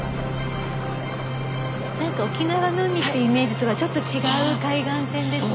何か沖縄の海ってイメージとはちょっと違う海岸線ですね。